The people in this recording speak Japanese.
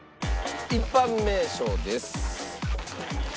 一般名称です。